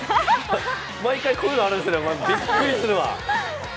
毎回、こういうのあるんですね、ビックリするわ。